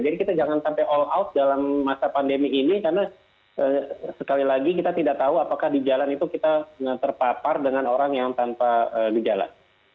jadi kita jangan sampai all out dalam masa pandemi ini karena sekali lagi kita tidak tahu apakah di jalan itu kita terpapar dengan orang yang tanpa di jalan